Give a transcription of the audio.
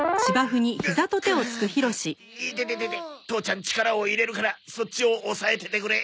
父ちゃん力を入れるからそっちを押さえててくれ。